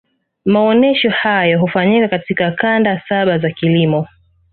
maonesho hayo hufanyika katika kanda saba za kilimo